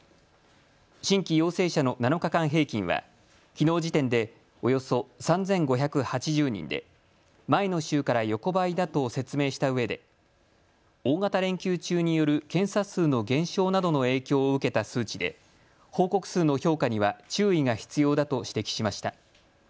新規陽性者の７日間平均はきのう時点でおよそ３５８０人で前の週から横ばいだと説明したうえで大型連休中による検査数の減少などの影響を受けた数値で報告数の評価には注意が必要だと指摘しました。